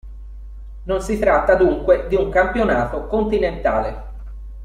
Non si tratta dunque di un campionato continentale.